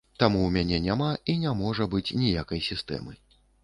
Таму ў мяне няма і не можа быць ніякай сістэмы.